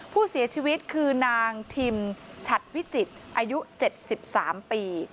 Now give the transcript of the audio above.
ผู้เสียชีวิตคือนางทิมฉัดวิจิตรอายุ๗๓ปี